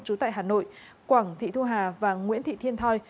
trú tại hà nội quảng thị thu hà và nguyễn thị thiên thoi